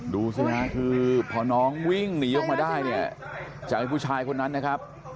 ดูสิฮะคือพอน้องวิ่งหนีออกมาได้เนี่ยจากไอ้ผู้ชายคนนั้นนะครับ